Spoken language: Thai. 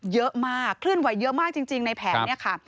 เยอะมากเคลื่อนไหวเยอะมากจริงในแผนเนี่ยค่ะ